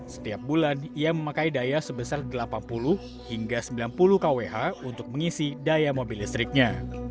setiap bulan ia memakai daya sebesar delapan puluh hingga sembilan puluh kwh untuk mengisi daya mobil listriknya